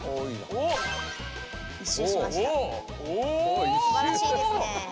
すばらしいですね。